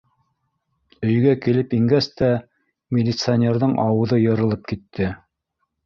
Өйгә килеп ингәс тә, милиционерҙың ауыҙы йырылып китте.